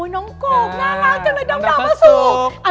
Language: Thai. น้องกกน่ารักจังเลยน้องดาวพระศุกรน้องดาวพระศุกร